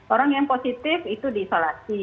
orang yang positif itu diisolasi